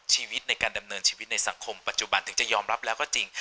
ชีวิตในการดำเนินชีวิตในสังคมปัจจุบันถึงจะยอมรับแล้วก็จริง